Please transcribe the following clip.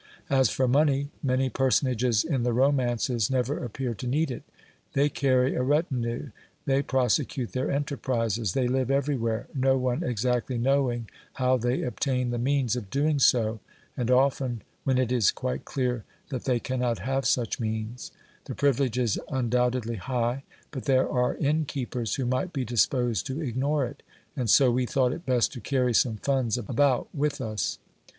As for money, many personages in the romances never appear to need it : they carry a retinue, they prosecute their enterprises, they live everywhere, no one exactly knowing how they obtain the means of doing 234 OBERMANN so, and often when it is quite clear that they cannot have such means ; the privilege is undoubtedly high, but there are inn keepers who might be disposed to ignore it, and so we thought it best to carry some funds about with us.